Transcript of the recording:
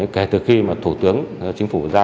kể từ khi thủ tướng chính phủ ra